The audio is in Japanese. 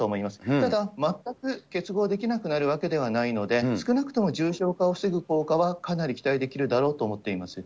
ただ、全く結合できなくなるわけではないので、少なくとも重症化を防ぐ効果はかなり期待できるだろうと思っています。